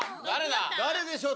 誰でしょう